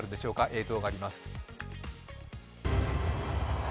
映像があります。